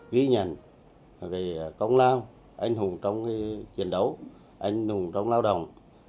ví nhận về công lao anh hùng trong chiến đấu anh hùng trong lao động